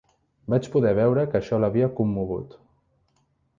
Vaig poder veure que això l'havia commogut.